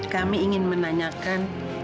kami ingin menanyakan